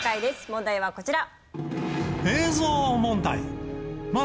問題はこちら。